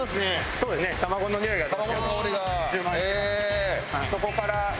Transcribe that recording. そうですね卵のにおいが充満してますね。